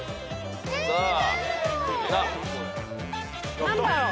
え何だろう。